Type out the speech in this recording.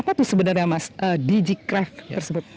iya apa tuh sebenarnya mas digicraft tersebut